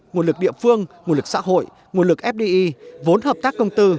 nguồn lực địa phương nguồn lực xã hội nguồn lực fdi vốn hợp tác công tư